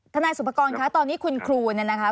ทนายสุปกรณ์คะตอนนี้คุณครูนะครับ